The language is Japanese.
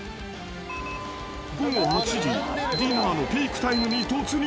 午後８時、ディナーのピークタイムに突入。